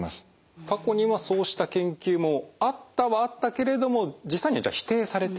過去にはそうした研究もあったはあったけれども実際には否定されている？